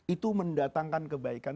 itu mendatangkan kebaikan